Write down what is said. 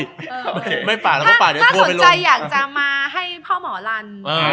ถ้าสนใจอยากจะมาให้พ่อหมอลัน